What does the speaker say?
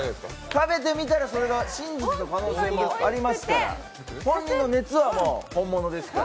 食べてみたらそれが真実の可能性もありますから本人の熱は本物ですから。